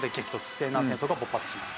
西南戦争が勃発します。